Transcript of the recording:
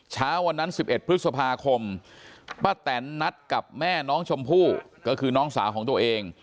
เช้าวันนั้น๑๑พฤษภาคมป้าแตนนัดกับแม่น้องชมพู่ก็คือน้องสาวของตัวเอง